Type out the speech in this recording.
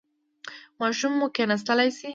ماشوم مو کیناستلی شي؟